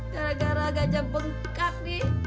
gara gara gajah bengkak nih